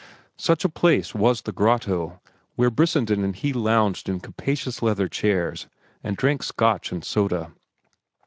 Such a place was the Grotto, where Brissenden and he lounged in capacious leather chairs and drank Scotch and soda.